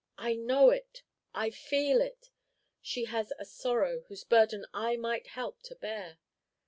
I know it, I feel it! She has a sorrow whose burden I might help to bear.